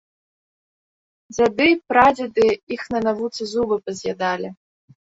Дзяды, прадзеды іх на навуцы зубы паз'ядалі.